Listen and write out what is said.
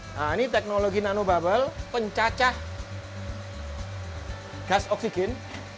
nah ini teknologi nano bubble pencacah gas oksigen